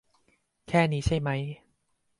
แค่นี้ใช่มั้ย ?